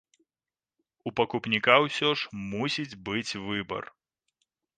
У пакупніка ўсё ж мусіць быць выбар.